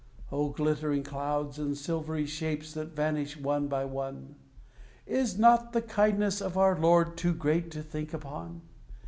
Oh, glittering clouds and silvery shapes, that vanish one by one! Is not the kindness of our Lord too great to think upon?